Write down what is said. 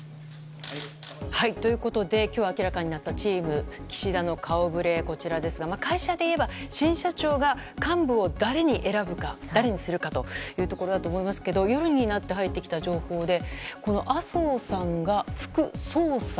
ということで今日明らかになったチーム岸田の顔ぶれ、こちらですが会社で言えば新社長が幹部を誰にするかというところだと思いますが夜になって入ってきた情報で麻生さんが副総裁。